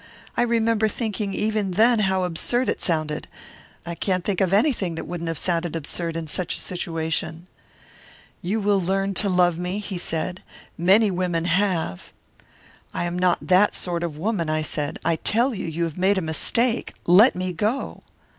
I remember thinking even then how absurd it sounded. I can't think of anything that wouldn't have sounded absurd in such a situation. "'You will learn to love me,' he said. 'Many women have.' "'I am not that sort of a woman,' I said. 'I tell you, you have made a mistake. Let me go.'